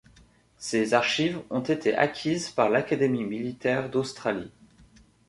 Ses archives ont été acquises par l'Académie militaire d'Australie.